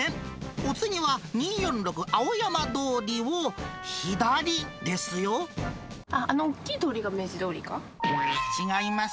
お次は２４６・青山通りを左ですあっ、あの大きい通りが明治違います。